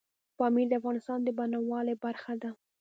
پامیر د افغانستان د بڼوالۍ برخه ده.